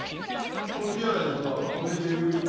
とりあえずはこれでよいな？